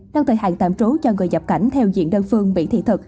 đăng thời hạn tạm trú cho người nhập cảnh theo diện đơn phương bị thị thực